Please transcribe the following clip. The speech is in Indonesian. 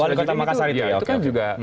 wali kota makassar itu